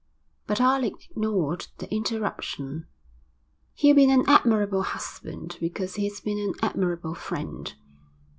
But Alec ignored the interruption. 'He'll be an admirable husband because he's been an admirable friend.'